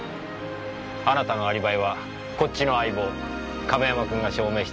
あなたのアリバイはこっちの相棒亀山君が証明してくれますから。